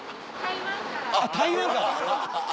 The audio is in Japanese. あっ台湾から。